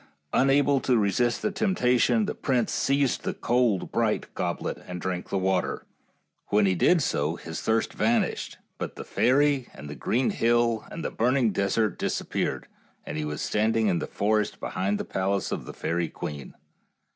Unable to resist the temptation, the prince seized the cold, bright goblet, and drank the water. When he did so his thirst vanished, but the fairy, THE ENCHANTED CAVE 67 and the green hill, and the burning desert disap peared, and he was standing in the forest behind the palace of the fairy quci n.